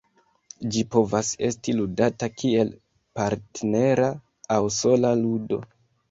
Ĝi povas esti ludata kiel partnera aŭ sola ludo.